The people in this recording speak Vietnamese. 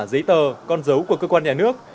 giấy tờ con dấu của cơ quan nhà nước